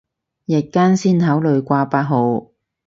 日間先考慮掛八號